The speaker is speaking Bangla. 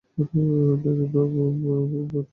দাদির নাম তো মুথুরাম ছিল না।